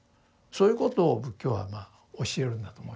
そういうことを仏教は教えるんだと思いますね。